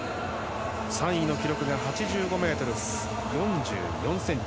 ３位の記録が８５ｍ４４ｃｍ。